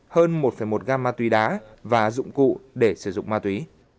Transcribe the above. hơn một một gam ma túy đá và dụng cụ để sử dụng ma túy